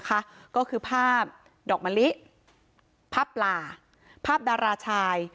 ก็คือภาพดอกมะลิภาพปลาภาพดาราชาย